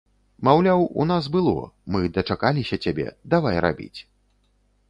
Маўляў, у нас было, мы дачакаліся цябе, давай рабіць.